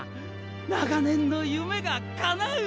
長年の夢がかなう！